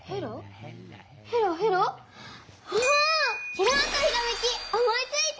きらんとひらめき思いついた！